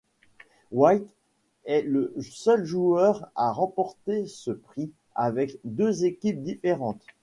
White est le seul joueur à remporter ce prix avec deux équipes différentes.